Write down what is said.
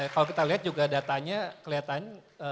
kalau kita lihat juga datanya kelihatan